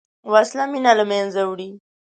وسله مینه له منځه وړي